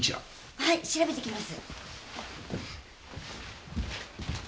はい調べてきます。